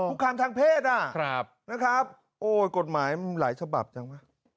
คุกคามทางเพศน่ะนะครับโอ๊ยกฎหมายมันหลายฉบับจัง